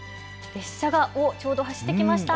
列車がちょうど走ってきました。